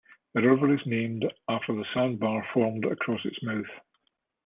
The river is named after the sand bar formed across its mouth.